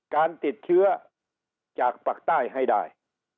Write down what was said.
การติดเชื้อจากปากใต้ให้ได้